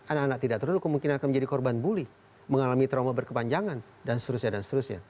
anak anak tidak terlalu kemungkinan akan menjadi korban bully mengalami trauma berkepanjangan dan seterusnya dan seterusnya